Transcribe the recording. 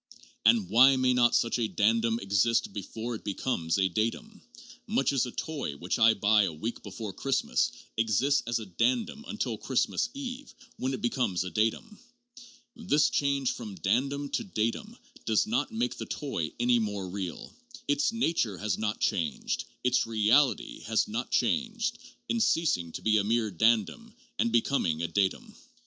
And why may not such a dandum exist before it becomes a datum, much as a toy which I buy a week before Christmas exists as a dandum till Christmas Eve, when it becomes a datum? This change from dandum to datum does not make the toy any more real. Its nature has not changed, its reality has not changed, in ceasing to be a mere dandum and becoming a datum.